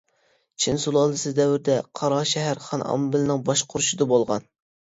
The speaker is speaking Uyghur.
چىن سۇلالىسى دەۋرىدە قاراشەھەر خان ئامبىلىنىڭ باشقۇرۇشىدا بولغان.